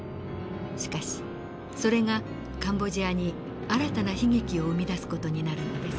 しかしそれがカンボジアに新たな悲劇を生み出す事になるのです。